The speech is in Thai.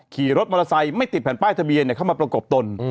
ขี่รถมอเตอร์ไซค์ไม่ติดแผ่นป้ายทะเบียนเข้ามาประกบตน